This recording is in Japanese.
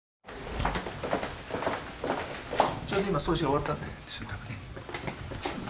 ちょうど今掃除が終わったんでしょうたぶんね。